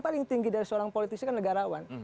paling tinggi dari seorang politik itu kan negarawan